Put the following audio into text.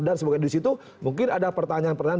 dan sebagainya disitu mungkin ada pertanyaan pertanyaan